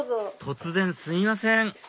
突然すいません